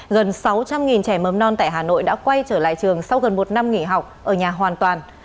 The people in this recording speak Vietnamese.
gần sáu trăm linh trẻ mầm non tại hà nội đã quay trở lại trường sau gần một năm nghỉ học ở nhà hoàn toàn